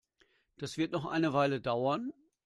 Das wird noch eine Weile dauern.